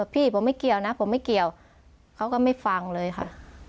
พี่ผมไม่เกี่ยวนะผมไม่เกี่ยวเขาก็ไม่ฟังเลยค่ะ